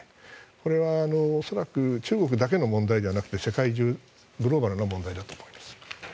これは、恐らく中国だけの問題ではなくて世界中、グローバルな問題だと思います。